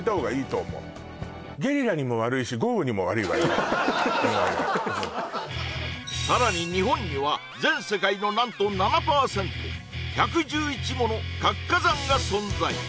あれうんあれうんさらに日本には全世界の何と７％１１１もの活火山が存在